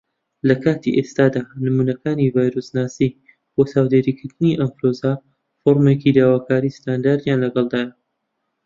لە کاتی ئێستادا، نمونەکانی ڤایرۆسناسی بۆ چاودێریکردنی ئەنفلوەنزا فۆرمێکی داواکار ستاندەریان لەگەڵدایە.